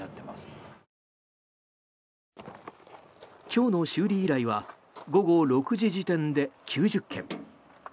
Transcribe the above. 今日の修理依頼は午後６時時点で９０件。